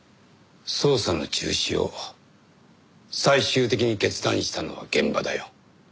捜査の中止を最終的に決断したのは現場だよ。